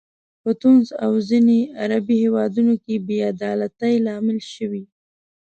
په تونس او ځینو عربي هیوادونو کې بې عدالتۍ لامل شوي.